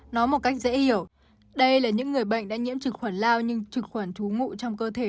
nói một cách dễ hiểu đây là những người bệnh đã nhiễm trực khuẩn lao nhưng trực khuẩn trú ngụ trong cơ thể